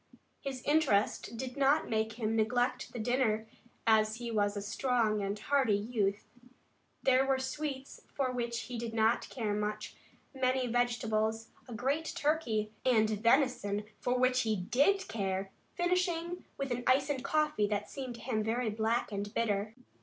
His interest did not make him neglect the dinner, as he was a strong and hearty youth. There were sweets for which he did not care much, many vegetables, a great turkey, and venison for which he did care, finishing with an ice and coffee that seemed to him very black and bitter.